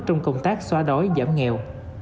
trong công tác xóa đói giảm nghèo